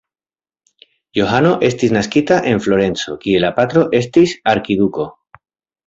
Johano estis naskita en Florenco, kie la patro estis arkiduko.